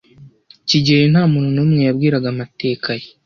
kigeli nta muntu numwe wabwiraga amateka ye.